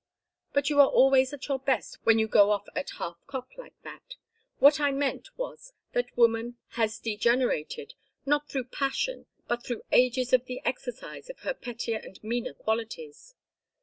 But you are always at your best when you go off at half cock like that! What I meant was that woman has degenerated, not through passion but through ages of the exercise of her pettier and meaner qualities.